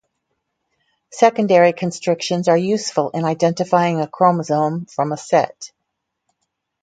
Secondary constrictions are useful in identifying a chromosome from a set.